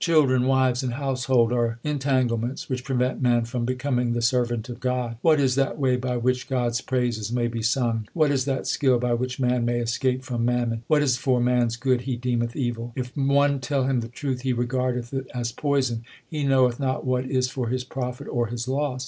Children, wives, and household are entanglements Which prevent man from becoming the servant of God. What is that way by which God s praises may be sung ? What is that skill by which man may escape from mam mon ? What is for man s good he deemeth evil. If one tell him the truth, he regardeth it as poison. 1 He knoweth not what is for his profit or his loss.